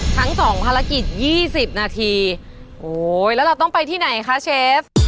ทั้งสองภารกิจ๒๐นาทีโอ้ยแล้วเราต้องไปที่ไหนคะเชฟ